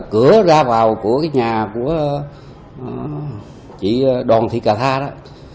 cửa ra vào của cái nhà của chị đoàn thị cà tha đó